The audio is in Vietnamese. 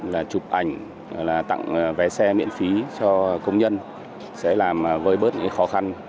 là chụp ảnh là tặng vé xe miễn phí cho công nhân sẽ làm vơi bớt những khó khăn